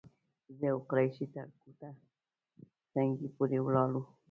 زه او قریشي تر کوټه سنګي پورې ولاړو.